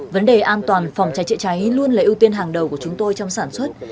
vấn đề an toàn phòng cháy chữa cháy luôn là ưu tiên hàng đầu của chúng tôi trong sản xuất